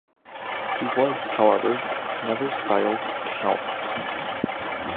He was, however, never styled "Count".